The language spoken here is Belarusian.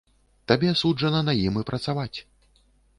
Табе суджана на ім і працаваць.